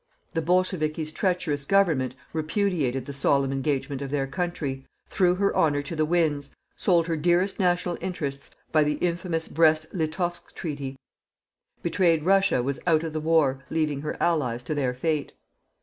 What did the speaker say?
The "bolchevikis'" treacherous government repudiated the solemn engagement of their country, threw her honour to the winds, sold her dearest national interests by the infamous Brest Litovsk treaty. Betrayed Russia was out of the war, leaving her Allies to their fate.